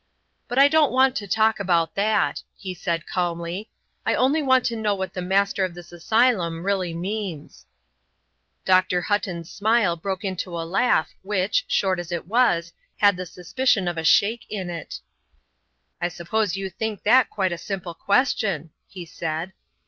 "But I don't want to talk about that," he said, calmly; "I only want to know what the Master of this asylum really means." Dr. Hutton's smile broke into a laugh which, short as it was, had the suspicion of a shake in it. "I suppose you think that quite a simple question," he said.